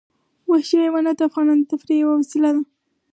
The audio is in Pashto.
وحشي حیوانات د افغانانو د تفریح یوه وسیله ده.